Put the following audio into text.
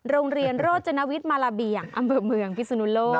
โรงเรียนโรจนวิทย์มาระเบียงอำเภอเมืองพิศนุโลก